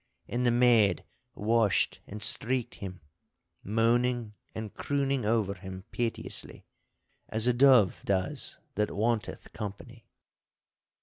And the maid washed and streeked him, moaning and crooning over him piteously, as a dove does that wanteth company.